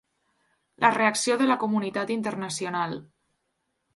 La reacció de la comunitat internacional.